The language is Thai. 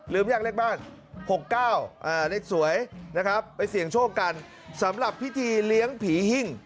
ยังเลขบ้าน๖๙เลขสวยนะครับไปเสี่ยงโชคกันสำหรับพิธีเลี้ยงผีหิ้ง